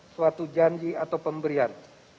suatu janji atau pemberian